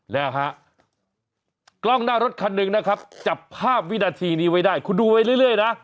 แล้วฮะกล้องหน้ารถคันหนึ่งนะครับจับภาพวินาทีนี้ไว้ได้คุณดูไว้เรื่อยนะ